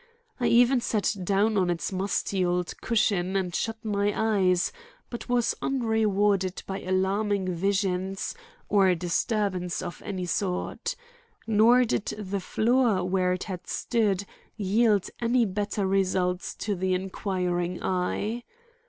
I even sat down on its musty old cushion and shut my eyes, but was unrewarded by alarming visions, or disturbance of any sort. Nor did the floor where it had stood yield any better results to the inquiring eye.